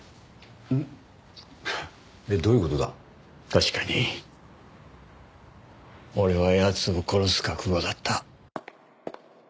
確かに俺は奴を殺す覚悟だった。